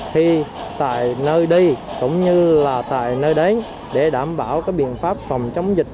khi tại nơi đi cũng như là tại nơi đến để đảm bảo các biện pháp phòng chống dịch